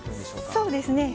そうですね。